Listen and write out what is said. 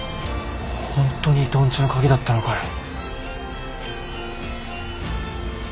本当に伊藤んちの鍵だったのかよ。